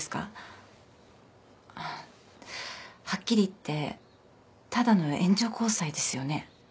はっきり言ってただの援助交際ですよね。